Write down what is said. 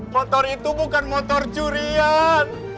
motor itu bukan motor curian